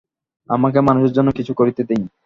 আমাকে মানুষের জন্য কিছু করিতে দিন।